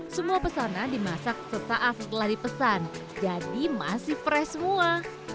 semua pesanan dimasak sesaat setelah dipesan jadi masih fresh semua